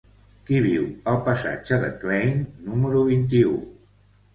Qui viu al passatge de Klein número vint-i-u?